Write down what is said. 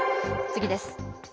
次です。